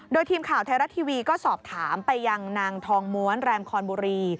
โดยทีมข่าวไทยรัฐทีวีก็สอบถามไปยังนางทองม้วนแรมคอนบุรี